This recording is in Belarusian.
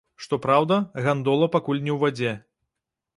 Што праўда, гандола пакуль не ў вадзе.